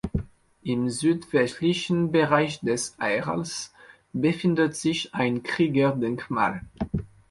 Im südwestlichen Bereich des Areals befindet sich ein Kriegerdenkmal.